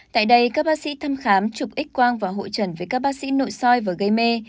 tại đây các bác sĩ thăm khám chụp x quang và hội trần với các bác sĩ nội soi và gây mê